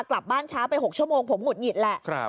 กลับบ้านช้าไป๖ชั่วโมงผมหุดหงิดแหละ